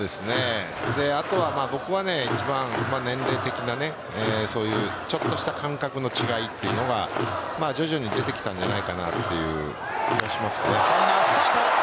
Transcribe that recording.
僕は一番、年齢的なちょっとした感覚の違いというのが徐々に出てきたんじゃないかなランナースタート。